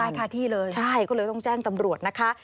ค่าที่เลยใช่ก็เลยต้องแจ้งตำรวจนะคะ